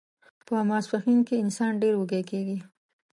په ماسپښین کې انسان ډیر وږی کیږي